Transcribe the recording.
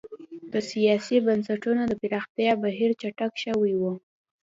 د سیاسي بنسټونو د پراختیا بهیر چټک شوی و.